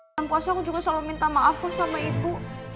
selama puasa aku juga selalu minta maaf sama ibu